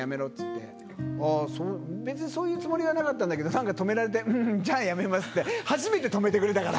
別にそういうつもりはなかったんだけど止められて「じゃあやめます」って初めて止めてくれたから。